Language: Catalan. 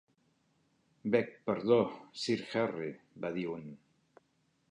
"Beg perdó, Sir Harry", va dir un.